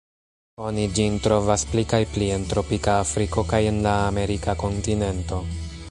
Oni ĝin trovas pli kaj pli en tropika Afriko kaj en la Amerika kontinento.